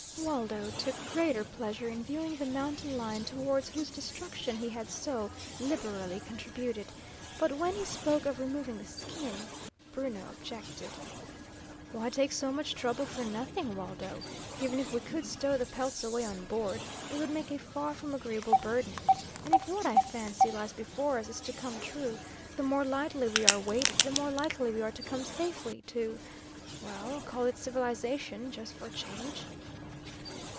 Waldo took greater pleasure in viewing the mountain lion towards whose destruction he had so liberally contributed, but when he spoke of removing the skin, Bruno objected. "Why take so much trouble for nothing, Waldo? Even if we could stow the pelts away on board, they would make a far from agreeable burden. And if what I fancy lies before us is to come true, the more lightly we are weighted, the more likely we are to come safely to well, call it civilisation, just for a change."